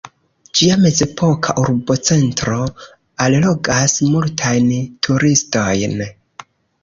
Ĝia mezepoka urbocentro allogas multajn turistojn.